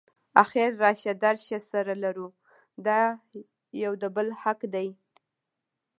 اخر راشه درشه سره لرو دا یو د بل حق دی.